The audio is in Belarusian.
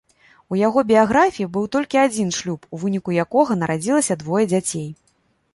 У яго біяграфіі быў толькі адзін шлюб, у выніку якога нарадзілася двое дзяцей.